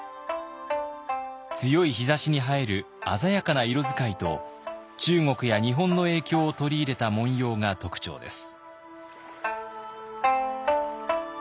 強い日ざしに映える鮮やかな色使いと中国や日本の影響を取り入れた紋様が特徴です。